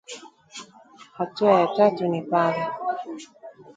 Hatua ya tatu ni pale